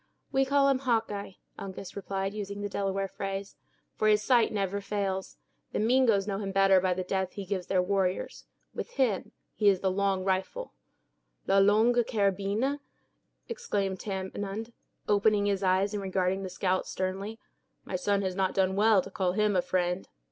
"We call him Hawkeye," Uncas replied, using the Delaware phrase; "for his sight never fails. The Mingoes know him better by the death he gives their warriors; with them he is 'The Long Rifle'." "La Longue Carabine!" exclaimed Tamenund, opening his eyes, and regarding the scout sternly. "My son has not done well to call him friend."